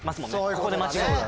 ここで間違えると。